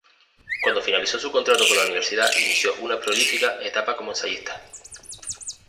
Cuando finalizó su contrato con la Universidad, inició una prolífica etapa como ensayista.